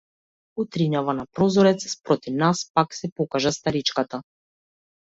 Утринава на прозорец спроти нас пак се покажа старичката.